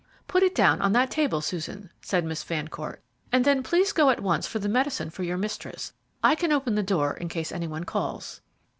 "Put it down on that table, Susan," said Miss Fancourt, "and then please go at once for the medicine for your mistress. I can open the door in case any one calls."